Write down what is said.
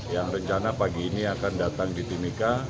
yang rencana pagi ini akan datang di timika